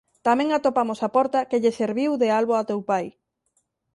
Tamén atopamos a porta que lle serviu de albo a teu pai…